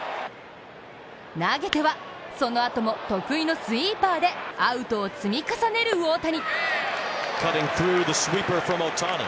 投げてはそのあとも得意のスイーパーでアウトを積み重ねる大谷。